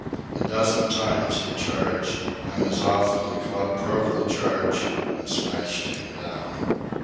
A dozen times he charged, and as often the club broke the charge and smashed him down.